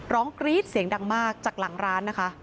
กรี๊ดเสียงดังมากจากหลังร้านนะคะ